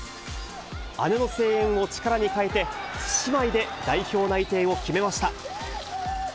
姉の声援を力に変えて、姉妹で代表内定を決めました。